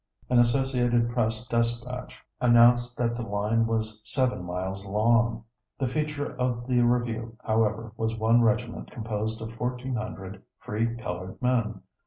An associated press despatch announced that the line was seven miles long. The feature of the review, however, was one regiment composed of fourteen hundred free colored men.